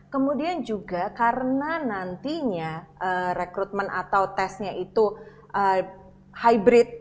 kemudian juga karena nantinya rekrutmen atau tesnya itu hybrid